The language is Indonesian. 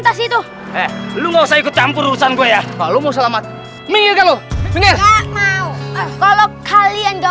tas itu eh lu mau ikut campur usan gue ya kalau mau selamat minum kalau kalian gak